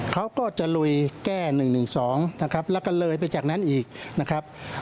เขาก็จะลุยแก้๑๑๒นะครับแล้วก็เลยไปจากนั้นอีกนะครับ